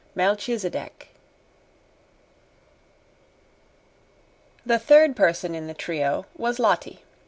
9 Melchisedec The third person in the trio was Lottie.